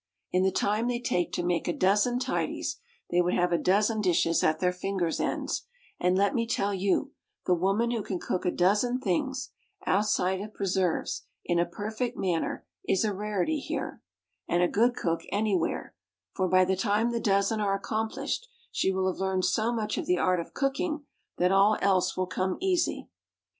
In the time they take to make a dozen tidies, they would have a dozen dishes at their fingers' ends; and let me tell you, the woman who can cook a dozen things, outside of preserves, in a perfect manner is a rarity here, and a good cook anywhere, for, by the time the dozen are accomplished, she will have learned so much of the art of cooking that all else will come easy.